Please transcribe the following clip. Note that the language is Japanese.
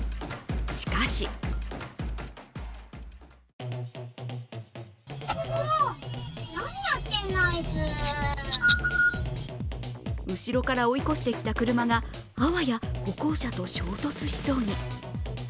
しかし後ろから追い越してきた車があわや歩行者と衝突しそうに。